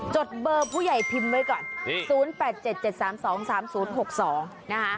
ดเบอร์ผู้ใหญ่พิมพ์ไว้ก่อน๐๘๗๗๓๒๓๐๖๒นะคะ